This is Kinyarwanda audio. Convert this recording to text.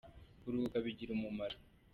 Kuruhuka bigira umumaro.